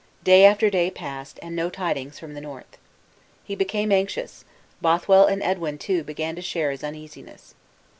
Day after day passed, and no tidings from the north. He became anxious; Bothwell and Edwin too began to share his uneasiness.